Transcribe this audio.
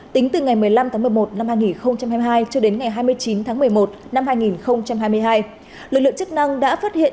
tính từ ngày một mươi năm tháng một mươi một năm hai nghìn hai mươi hai cho đến ngày hai mươi chín tháng một mươi một năm hai nghìn hai mươi hai lực lượng chức năng đã phát hiện